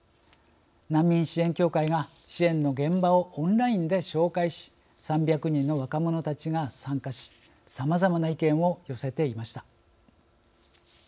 難民支援協会が支援の現場をオンラインで紹介し３００人の若者たちが参加しさまざまな意見を寄せていました。